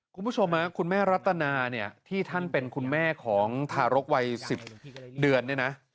คุณผู้ชมคุณแม่รัตนาเนี่ยที่ท่านเป็นคุณแม่ของทารกวัย๑๐เดือนเนี่ยนะ